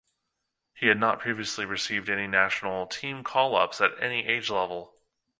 He had not previously received any national team call ups at any age level.